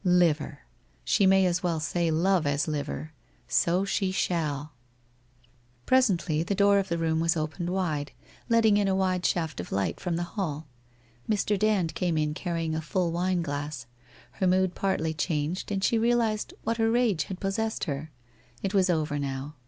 ' Liver! ... She may as well Bay Love us Liver. ... So she shall!' 14 210 WHITE ROSE OF WEARY LEAF Presently the door of the room was opened wide, let ting in a wide shaft of light from the hall. Mr. Dand came in carrying a full wine glass. Her mood partly changed and she realized what a rage had possessed her. It was over now.